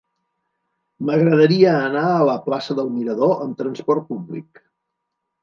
M'agradaria anar a la plaça del Mirador amb trasport públic.